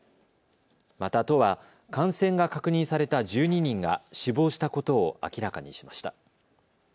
また都は感染が確認された１２人が死亡したことを明らかにしました。